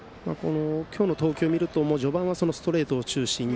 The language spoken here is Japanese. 今日の投球を見ると序盤はストレートを中心に。